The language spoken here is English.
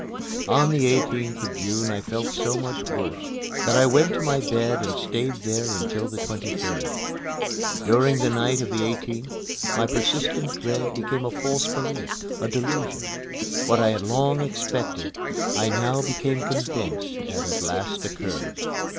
On the 18th of June I felt so much worse that I went to my bed and stayed there until the 23d. During the night of the 18th my persistent dread became a false belief a delusion. What I had long expected I now became convinced had at last occurred.